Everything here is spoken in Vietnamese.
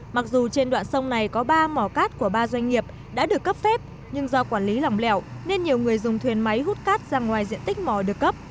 mặc dù trên đoạn sông này có ba mỏ cát của ba doanh nghiệp đã được cấp phép nhưng do quản lý lòng lẻo nên nhiều người dùng thuyền máy hút cát ra ngoài diện tích mỏ được cấp